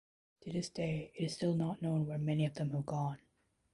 To this day it is still not known where many of them have gone.